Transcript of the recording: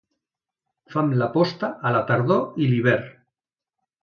Fan la posta a la tardor i l'hivern.